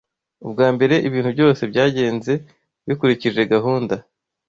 Ubwa mbere, ibintu byose byagenze bikurikije gahunda.